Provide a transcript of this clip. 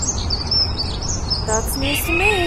That's news to me.